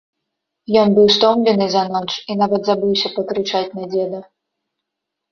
Ён быў стомлены за ноч і нават забыўся пакрычаць на дзеда.